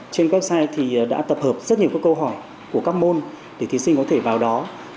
trên website thì đã tập hợp rất nhiều các câu hỏi của các môn để thí sinh có thể vào đó